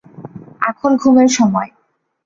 এখন ঘুমের সময়।